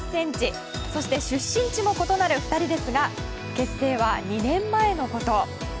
そして出身地も異なる２人ですが結成は２年前のこと。